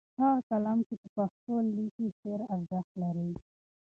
هغه قلم چې په پښتو لیکي ډېر ارزښت لري.